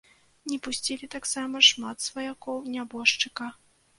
Не пусцілі таксама шмат сваякоў нябожчыка.